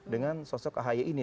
dengan sosok ahy ini